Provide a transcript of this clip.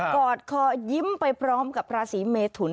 อดคอยิ้มไปพร้อมกับราศีเมทุน